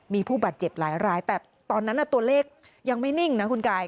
มีผู้บาดเจ็บหลายรายแต่ตอนนั้นตัวเลขยังไม่นิ่งนะคุณกาย